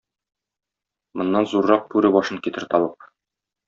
Моннан зуррак бүре башын китер табып!